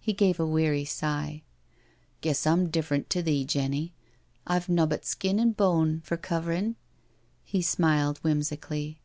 He gave a weary sigh. " Guess I'm different to thee, Jenny. I've nobbut skin and boan for coverin'." He smiled whim sically.